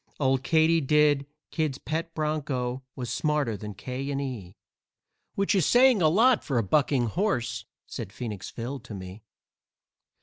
Old Katydid, Kid's pet bronco, was smarter than 'K. & E.,' Which is saying a lot for a bucking horse," said Phoenix Phil to me.